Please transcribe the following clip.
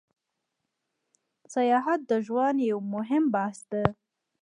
سیاحت د ژوند یو موهیم بحث ده